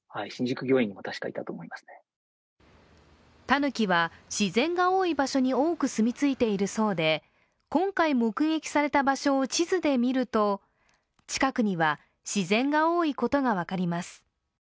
たぬきは、自然が多い場所に多くすみついているそうで今回目撃された場所を地図で見ると、近くには自然が多いことが分かります。